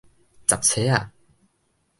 雜差仔